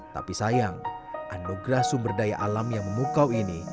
tapi sayang anugerah sumber daya alam yang memukau ini